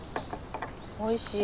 おいしい。